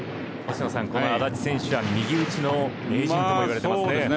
星野さん安達選手は右打ちの名人といわれてますね。